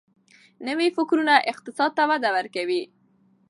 نوي فکرونه اقتصاد ته وده ورکوي.